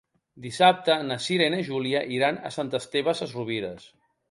Dissabte na Cira i na Júlia iran a Sant Esteve Sesrovires.